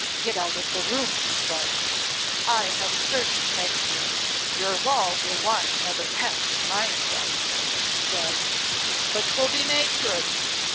'Get out of the room,' he says, 'I have a search to make here. Your wall will want another patch when I am done,' he says. 'But 'twill be made good.